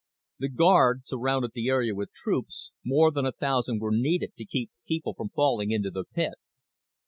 The guard surrounded the area with troops more than a thousand were needed to keep people from falling into the pit.